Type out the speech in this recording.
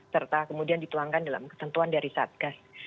serta kemudian dituangkan dalam ketentuan dari satgas